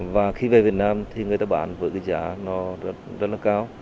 và khi về việt nam thì người ta bán với cái giá nó rất là cao